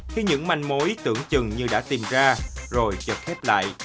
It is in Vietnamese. khi những manh mối tưởng chừng như đã tìm ra rồi chật thép lại